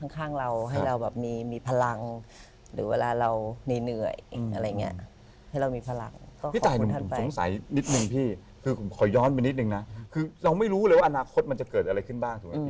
ก็บอกว่าขอบคุณนะครับ